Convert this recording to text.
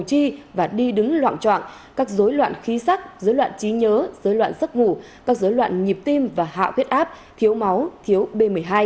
chi và đi đứng loạn trọng các dối loạn khí sắc dối loạn trí nhớ dối loạn giấc ngủ các dối loạn nhịp tim và hạ huyết áp thiếu máu thiếu b một mươi hai